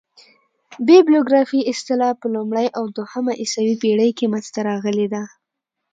بیبلوګرافي اصطلاح په لومړۍ او دوهمه عیسوي پېړۍ کښي منځ ته راغلې ده.